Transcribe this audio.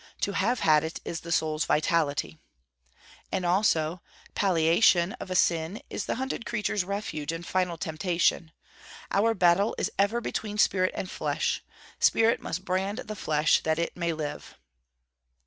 To have had it, is the soul's vitality.' And also: 'Palliation of a sin is the hunted creature's refuge and final temptation. Our battle is ever between spirit and flesh. Spirit must brand the flesh, that it may live.'